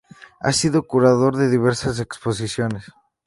Ha sido curador de diversas exposiciones.